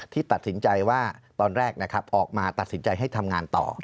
ที่ตัดสินใจว่าตอนแรกนะครับออกมาตัดสินใจให้ทำงานต่อ